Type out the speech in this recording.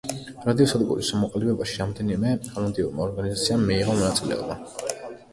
რადიოსადგურის ჩამოყალიბებაში რამდენიმე ჰოლანდიურმა ორგანიზაციამ მიიღო მონაწილეობა.